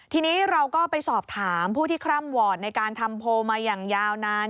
ทีนี้เราก็ไปสอบถามผู้ที่คร่ำวอร์ดในการทำโพลมาอย่างยาวนาน